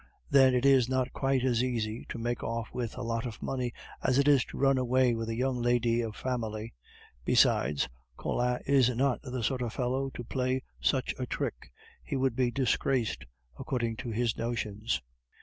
Then it is not quite as easy to make off with a lot of money as it is to run away with a young lady of family. Besides, Collin is not the sort of fellow to play such a trick; he would be disgraced, according to his notions."